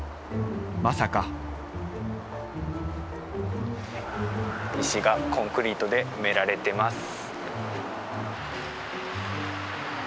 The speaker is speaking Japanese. まさか石がコンクリートで埋められてます。